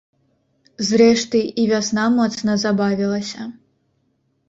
Зрэшты, і вясна моцна забавілася.